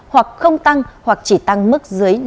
hoặc không tăng hoặc chỉ tăng mức dưới năm